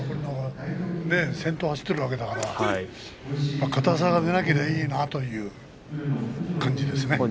先頭を走っているわけだから硬さが出なければいいなという感じですよね。